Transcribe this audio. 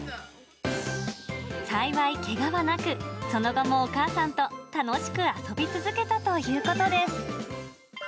幸い、けがはなく、その後もお母さんと楽しく遊び続けたということです。